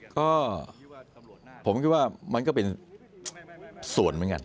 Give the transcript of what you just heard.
ก็ผมคิดว่ามันก็เป็นส่วนเหมือนกัน